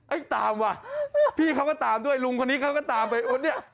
ไอ้ตามว่ะพี่เขาก็ตามด้วยลุงคนนี้เขาก็ตามไป